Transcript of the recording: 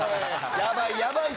やばい